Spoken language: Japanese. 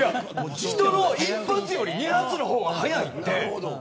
人の１発より２発の方が速いって。